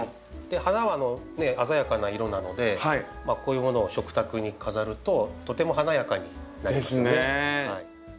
花はね鮮やかな色なのでこういうものを食卓に飾るととても華やかになりますね。ですね！